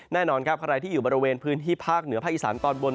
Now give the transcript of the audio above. แน่นอนครับใครที่อยู่บริเวณพื้นที่ภาคเหนือภาคอีสานตอนบน